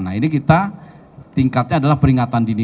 nah ini kita tingkatnya adalah peringatan dini